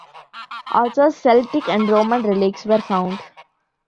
Also Celtic and Roman relics were found.